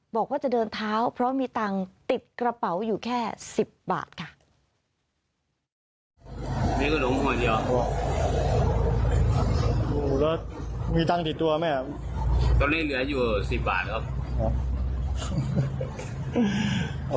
บอกว่าจะเดินเท้าเพราะมีตังค์ติดกระเป๋าอยู่แค่๑๐บาทค่ะ